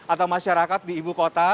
atau masyarakat di ibu kota